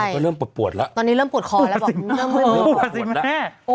เพราะมันจะไม่เจ็บตอนนี้มันเริ่มปวดแล้ว